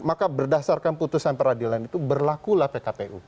maka berdasarkan putusan peradilan itu berlakulah pkpu